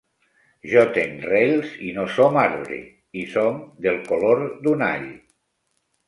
Jo tenc rels i no som arbre, i som del color d’un all.